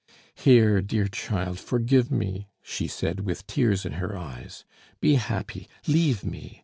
"Here, dear child, forgive me," she said with tears in her eyes. "Be happy; leave me!